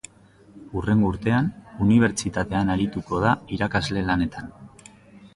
Hurrengo urtean, unibertsitatean arituko da irakasle lanetan.